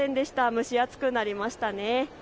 蒸し暑くなりましたね。